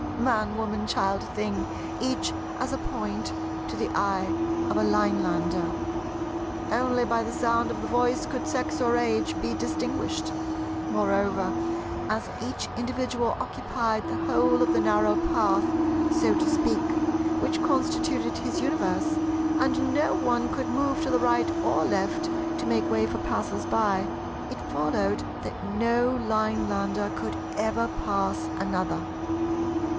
Man, woman, child, thing—each as a Point to the eye of a Linelander. Only by the sound of the voice could sex or age be distinguished. Moreover, as each individual occupied the whole of the narrow path, so to speak, which constituted his Universe, and no one could move to the right or left to make way for passers by, it followed that no Linelander could ever pass another.